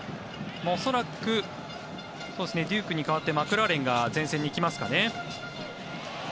恐らくデュークに代わってマクラーレンが前線に行きますかね。